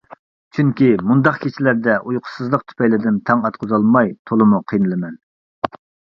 چۈنكى مۇنداق كېچىلەردە ئۇيقۇسىزلىق تۈپەيلىدىن تاڭ ئاتقۇزالماي تولىمۇ قىينىلىمەن.